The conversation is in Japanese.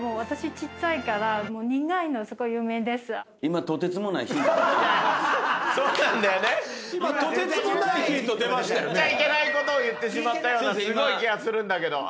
言っちゃいけないことを言ってしまったようなすごい気がするんだけど。